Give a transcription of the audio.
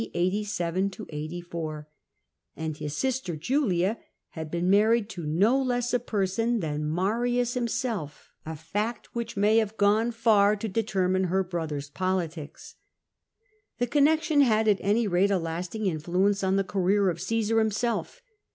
O. 87 84, and his sister Julia had been married to no less a person than Marius himself, a 294 CtESAR I'avjfc which may have gone far to determine her brother's politics. The connection had, at any rate, a lasting influence on the career of Csesar himself.